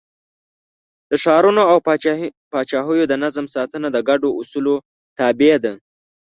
د ښارونو او پاچاهیو د نظم ساتنه د ګډو اصولو تابع ده.